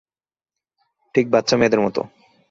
ঠিক বাচ্চা মেয়েদের মতো।